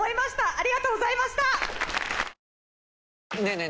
ありがとうございましたねえねえ